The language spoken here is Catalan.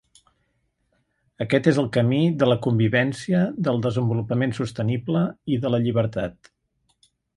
Aquest és el camí de la convivència, del desenvolupament sostenible i de la llibertat.